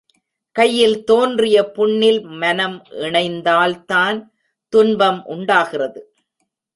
கையில் தோன்றிய புண்ணில் மனம் இணைந்தால்தான் துன்பம் உண்டாகிறது.